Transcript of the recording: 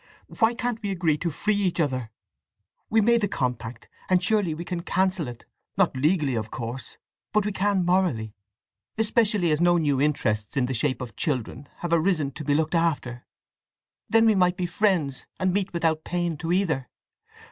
"Why can't we agree to free each other? We made the compact, and surely we can cancel it—not legally of course; but we can morally, especially as no new interests, in the shape of children, have arisen to be looked after. Then we might be friends, and meet without pain to either.